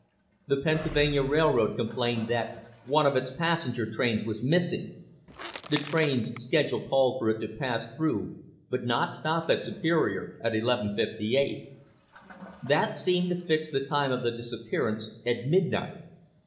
The Pennsylvania Railroad complained that one of its passenger trains was missing. The train's schedule called for it to pass through but not stop at Superior at 11:58. That seemed to fix the time of the disappearance at midnight.